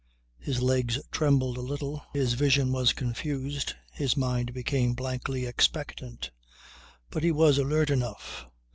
His legs trembled a little, his vision was confused, his mind became blankly expectant. But he was alert enough.